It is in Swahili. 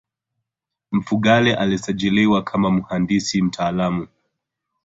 Mfugale alisajiliwa kama muhandisi mtaalamu